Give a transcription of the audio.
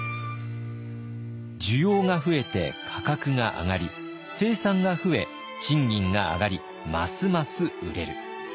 需要が増えて価格が上がり生産が増え賃金が上がりますます売れる。